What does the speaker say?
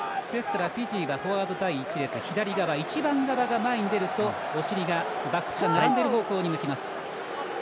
フィジーがフォワード第１列左側、１番側が前に出るとお尻がバックス側に向きます。